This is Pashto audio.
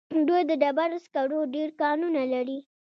دوی د ډبرو سکرو ډېر کانونه لري.